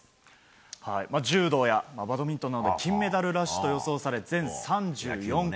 柔道や、バドミントンなどで金メダルラッシュと予想され全３４個。